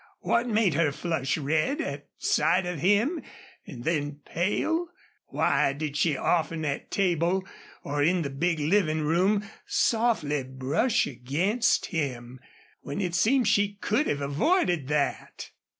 What made her flush red at sight of him and then, pale? Why did she often at table or in the big living room softly brush against him when it seemed she could have avoided that?